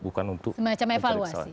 bukan untuk semacam evaluasi